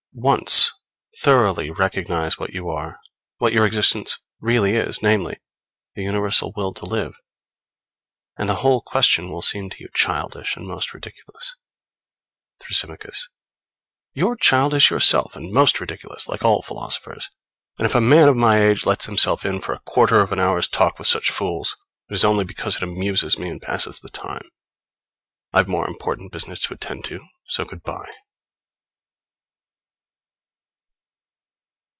Once thoroughly recognize what you are, what your existence really is, namely, the universal will to live, and the whole question will seem to you childish, and most ridiculous! Thrasymachos. You're childish yourself and most ridiculous, like all philosophers! and if a man of my age lets himself in for a quarter of an hour's talk with such fools, it is only because it amuses me and passes the time. I've more important business to attend to, so Good bye.